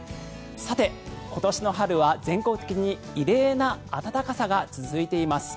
今年の春は全国的に異例の暖かさが続いています。